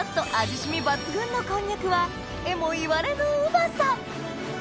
染み抜群のこんにゃくはえも言われぬうまさ！